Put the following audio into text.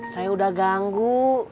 saya udah ganggu